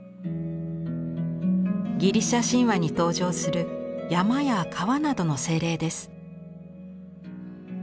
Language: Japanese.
ギリシャ神話に登場する山や川などの精霊です。